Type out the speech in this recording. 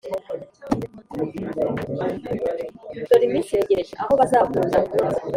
«Dore iminsi iregereje aho bazabakuruza inkonzo